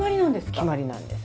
決まりなんです。